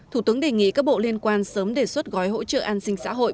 thủ tướng đề nghị các bộ liên quan sớm đề xuất gói hỗ trợ an sinh xã hội